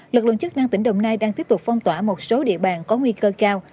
lực lượng chức năng tỉnh đồng nai đang tiếp tục phong tỏa một số địa bàn có nguy cơ cao